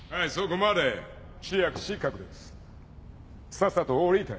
さっさと下りて。